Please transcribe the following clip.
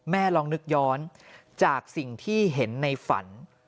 ลองนึกย้อนจากสิ่งที่เห็นในฝัน